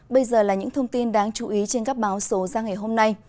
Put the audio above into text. bây giờ là những thông tin đáng chú ý trên các báo số ra ngày hôm nay